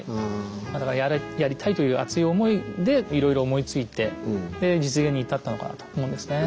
だからやりたいという熱い思いでいろいろ思いついて実現に至ったのかなと思うんですね。